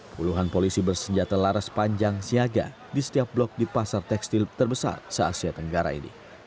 puluhan polisi bersenjata laras panjang siaga di setiap blok di pasar tekstil terbesar se asia tenggara ini